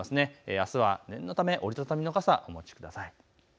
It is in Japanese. あすは念のため折り畳みの傘、お持ちください。